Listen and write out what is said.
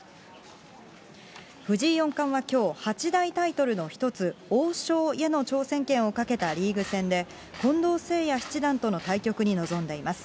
藤井四冠はきょう、八大タイトルの一つ、王将への挑戦権をかけたリーグ戦で、近藤誠也七段との対局に臨んでいます。